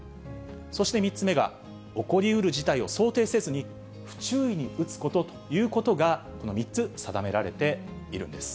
そして３つ目が、起こりうる事態を想定せずに、不注意に打つことという、この３つ定められているんです。